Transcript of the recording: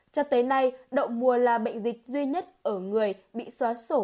cho tới nay đậu mùa là bệnh dịch duy nhất ở người bị xóa sổ